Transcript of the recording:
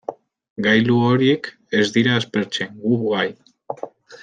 Gailu horiek ez dira aspertzen, gu bai.